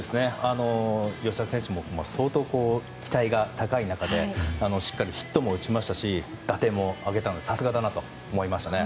吉田選手も相当期待が高い中でしっかりヒットも打ちましたし打点も上げたのはさすがだなと思いましたね。